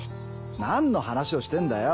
何の話をしてんだよ。